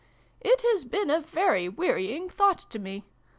It has been a very wearying thought to me.